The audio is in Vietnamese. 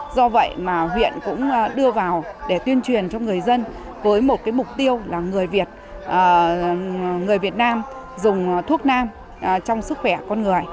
do vậy mà huyện cũng đưa vào để tuyên truyền cho người dân với một mục tiêu là người việt người việt nam dùng thuốc nam trong sức khỏe con người